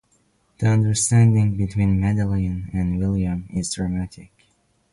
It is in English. The understanding between Madeleine and William is dramatic.